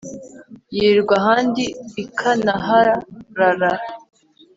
Yirirwa ahandi ikanaharara